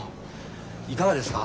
いかがですか？